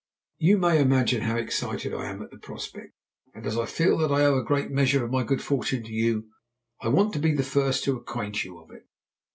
"You may imagine how excited I am at the prospect, and as I feel that I owe a great measure of my good fortune to you, I want to be the first to acquaint you of it.